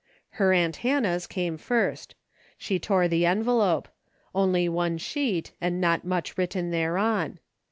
Her aunt Hannah's came first. She tore the envelope. Only one sheet and not much written thereon.